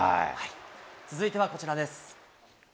続いてはこちらです。